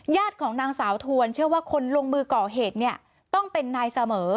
ของนางสาวทวนเชื่อว่าคนลงมือก่อเหตุเนี่ยต้องเป็นนายเสมอ